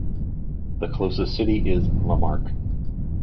The closest city is Lamarque.